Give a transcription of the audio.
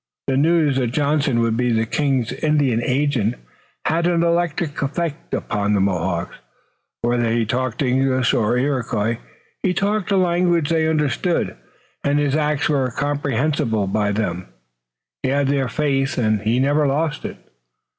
The news that Johnson would be the King's Indian agent had an electric effect upon the Mohawks. Whether he talked English or Iroquois he talked a language they understood, and his acts were comprehensible by them. He had their faith and he never lost it.